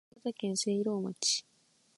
新潟県聖籠町